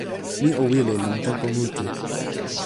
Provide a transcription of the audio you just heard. mi o wile lon tenpo mute.